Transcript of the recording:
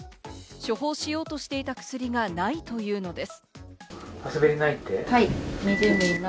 処方しようとしていた薬がないというのです。